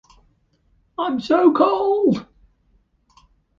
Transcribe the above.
I'm so cold!